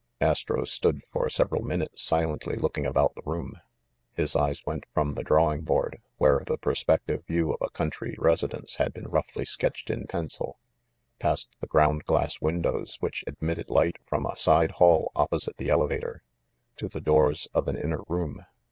Astro stood for several minutes silently looking about the room. His eyes went from the drawing board, where the perspective view of a country resi dence had been roughly sketched in pencil, past the ground glass windows which admitted light from a side hall opposite the elevator, to the doors of an inner room.